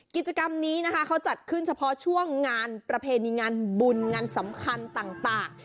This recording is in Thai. กิจกรรมนี้นะคะเขาจัดขึ้นเฉพาะช่วงงานประเพณีงานบุญงานสำคัญต่าง